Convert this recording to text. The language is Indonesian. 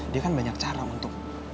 dia kan banyak cara untuk